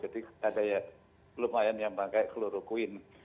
jadi ada yang lumayan yang pakai kloroquine